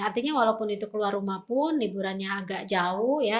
artinya walaupun itu keluar rumah pun liburannya agak jauh ya